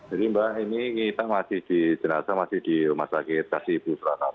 ini mbak ini kita masih dijenasa masih di rumah sakit kasih ibu prasanta